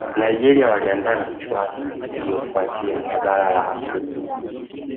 nigeria waliandaa michuano iliyofuatia ya bara la afrika